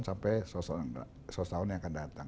sampai sosial yang akan datang